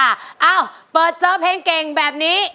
เอ้าเปิดเจอเพลงเก่งแบบนี้